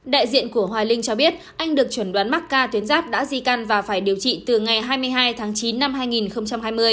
đại diện của hoài linh cho biết anh được chuẩn đoán mắc ca tuyến giáp đã di căn và phải điều trị từ ngày hai mươi hai tháng chín năm hai nghìn hai mươi